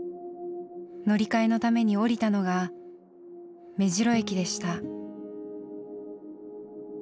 乗り換えのために降りたのが目白駅でした。